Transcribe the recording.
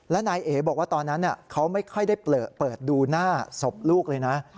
และนายเอ๋บอกว่าตอนนั้นเขาไม่ค่อยได้เปิดดูหน้าศพลูกเลยนะ